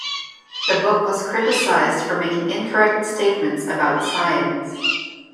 The book was criticized for making incorrect statements about science.